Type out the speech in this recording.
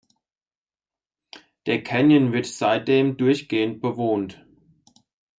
Der Canyon wird seitdem durchgehend bewohnt.